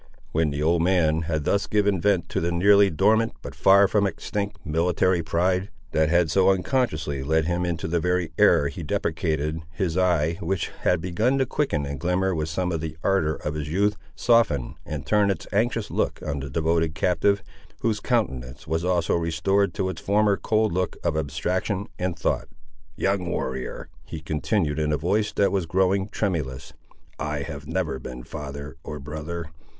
When the old man had thus given vent to the nearly dormant, but far from extinct, military pride, that had so unconsciously led him into the very error he deprecated, his eye, which had begun to quicken and glimmer with some of the ardour of his youth, softened and turned its anxious look on the devoted captive, whose countenance was also restored to its former cold look of abstraction and thought. "Young warrior," he continued in a voice that was growing tremulous, "I have never been father, or brother.